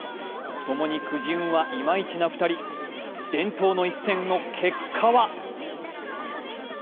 ともに、くじ運はいまいちな２人伝統の一戦の結果は？